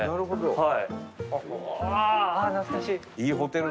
はい。